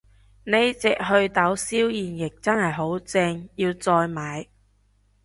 呢隻袪痘消炎液真係好正，要再買